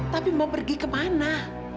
tapi mau pergi kemana